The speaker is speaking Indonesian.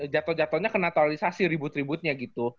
jatoh jatohnya ke naturalisasi ribut ributnya gitu